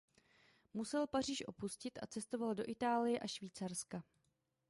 Musel Paříž opustit a cestoval do Itálie a Švýcarska.